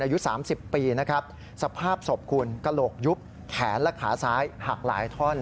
อายุ๓๐ปีนะครับสภาพศพคุณกระโหลกยุบแขนและขาซ้ายหักหลายท่อน